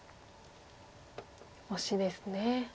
オシですね。